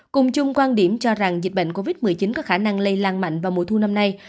cùng chung quan điểm cho rằng dịch bệnh covid một mươi chín có khả năng lây lan mạnh vào mùa thu năm nay